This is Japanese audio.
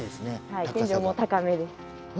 はい天井も高めです。